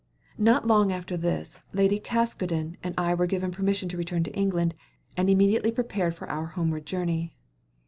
Not long after this Lady Caskoden and I were given permission to return to England, and immediately prepared for our homeward journey.